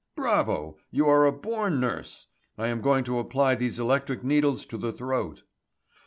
"Bravo, you are a born nurse! I am going to apply these electric needles to the throat."